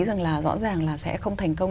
rằng là rõ ràng là sẽ không thành công